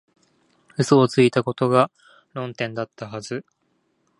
嘘をついたことが論点だったはず